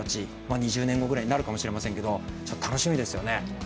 ２０年後ぐらいになるかもしれませんけれども楽しみですよね。